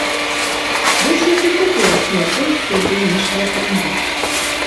Вось як і цяперашнія польскія ды іншыя паны.